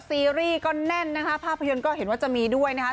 ซีรีส์ก็แน่นนะคะภาพยนตร์ก็เห็นว่าจะมีด้วยนะครับ